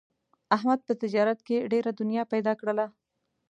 احمد په تجارت کې ډېره دنیا پیدا کړله.